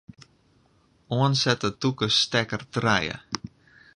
Oansette tûke stekker trije.